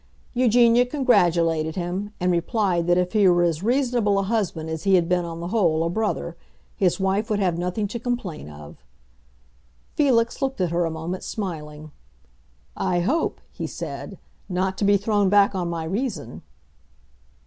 Eugenia congratulated him, and replied that if he were as reasonable a husband as he had been, on the whole, a brother, his wife would have nothing to complain of. Felix looked at her a moment, smiling. "I hope," he said, "not to be thrown back on my reason."